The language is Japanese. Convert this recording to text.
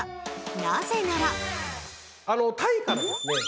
なぜならタイからですね